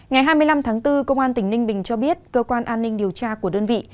ngày hai mươi năm tháng bốn công an tỉnh ninh bình cho biết cơ quan an ninh điều tra của đơn vị